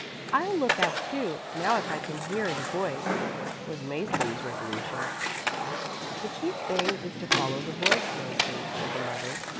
"I'll look out, too, now if I can hear the voice," was Mäzli's resolution. "The chief thing is to follow the voice, Mäzli," said the mother.